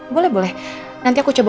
boleh boleh nanti aku coba